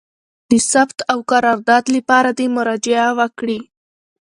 د ثبت او قرارداد لپاره دي مراجعه وکړي: